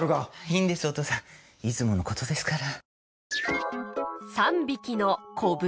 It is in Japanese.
いいんですお義父さんいつものことですから。